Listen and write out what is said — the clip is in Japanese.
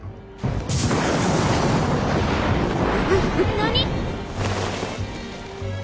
何？